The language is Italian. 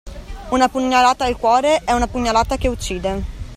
Una pugnalata al cuore è una pugnalata che uccide.